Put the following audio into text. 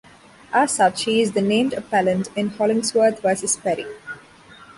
As such, he is the named appellant in "Hollingsworth versus Perry".